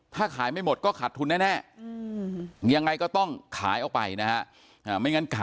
ถ้าขายไม่หมดก็ขาดทุนแน่ยังไงก็ต้องขายออกไปนะฮะ